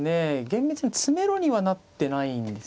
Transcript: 厳密には詰めろにはなってないんですよね。